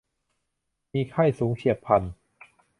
มีไข้สูงเฉียบพลัน